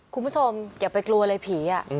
คุณผู้ชมอย่าไปกลัวเลยผี